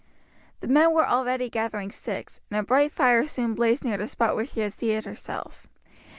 The men were already gathering sticks, and a bright fire soon blazed near the spot where she had seated herself.